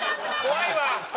怖いわ！